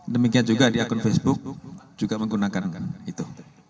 demikian juga di akun facebook juga menggunakan kanker itu